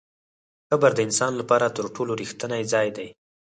قبر د انسان لپاره تر ټولو رښتینی ځای دی.